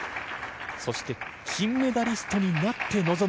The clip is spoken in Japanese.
そして金メダリストになって臨む